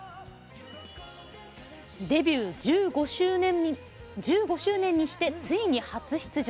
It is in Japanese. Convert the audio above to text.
デビュー１５周年にしてついに初出場